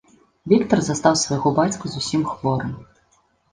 Віктар застаў свайго бацьку зусім хворым.